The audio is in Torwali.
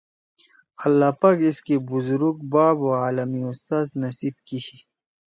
اللّٰہ پاک ایسکے بُزرگ باپ او عالم اُستاذ نصیب کی شی